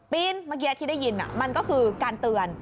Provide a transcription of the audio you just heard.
เมื่อกี้ที่ได้ยินมันก็คือการเตือน